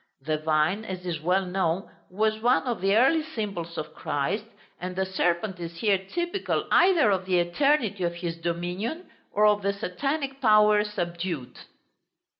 The vine, as is well known, was one of the early symbols of Christ, and the serpent is here typical either of the eternity of his dominion, or of the Satanic power subdued.